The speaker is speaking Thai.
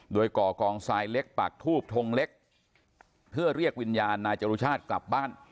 โดยก่อกองทรายเล็กปากทูบทงเล็กเพื่อเรียกวิญญาณนายจรุชาติกลับบ้าน